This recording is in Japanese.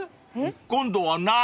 ［今度は何？］